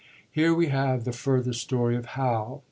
Here we have the further story of Hal.